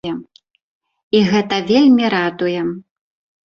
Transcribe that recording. І гэта вельмі радуе.